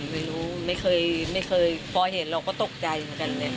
ไม่เคยไม่เคยพอเห็นเราก็ตกใจเหมือนกันเลย